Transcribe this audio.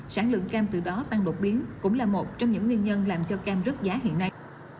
sản lượng cam từ đó tăng đột biến cũng là một trong những nguyên nhân làm cho cam rớt giá hiện nay